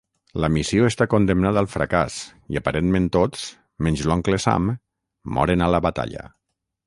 La missió està condemnada al fracàs i aparentment tots, menys l'oncle Sam, moren a la batalla.